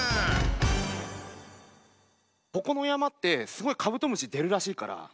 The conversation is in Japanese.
ここの山ってすごいカブトムシ出るらしいから。